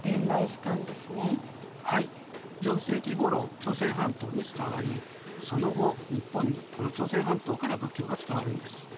朝鮮半島に伝わりその後日本にこの朝鮮半島から仏教が伝わるんです。